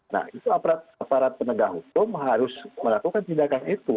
nah itu aparat penegak hukum harus melakukan tindakan itu